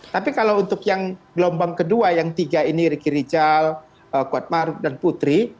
tapi kalau untuk yang gelombang kedua yang tiga ini ricky rijal kuat maruf dan putri